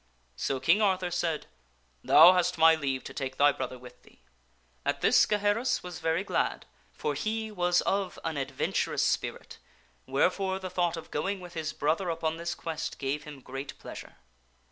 So King Arthur said, " Thou hast my leave to take thy brother with thee." At this Gaheris was very glad, for he was of an adventurous spirit, wherefore the thought of going with his brother upon this quest gave him great pleasure.